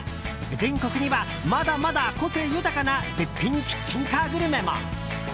全国には、まだまだ個性豊かな絶品キッチンカーグルメも。